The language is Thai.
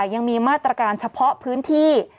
ยังมีมาตรการเฉพาะพื้นที่